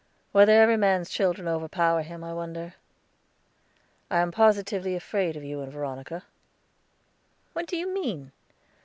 "Whether every man's children overpower him, I wonder? I am positively afraid of you and Veronica." "What do you mean?"